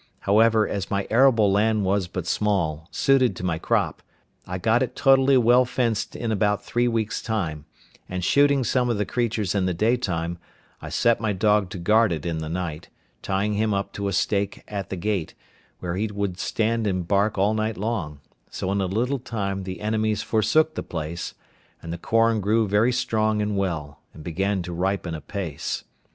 However, as my arable land was but small, suited to my crop, I got it totally well fenced in about three weeks' time; and shooting some of the creatures in the daytime, I set my dog to guard it in the night, tying him up to a stake at the gate, where he would stand and bark all night long; so in a little time the enemies forsook the place, and the corn grew very strong and well, and began to ripen apace.